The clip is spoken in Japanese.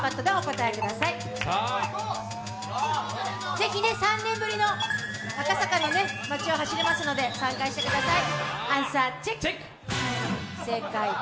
ぜひね、３年ぶりに赤坂の街を走れますので参加してください。